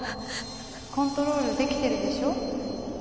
コントロール出来てるでしょ？